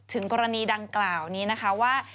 ถึงกรณีดังกล่าวนี้นะคะว่า